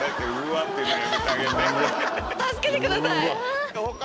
助けてください。